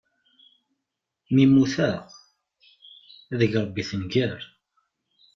Mi mmuteɣ, ad ig Ṛebbi tenger!